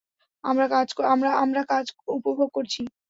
আমরা কাজ উপভোগ করেছি।